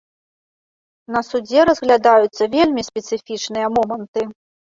На судзе разглядаюцца вельмі спецыфічныя моманты.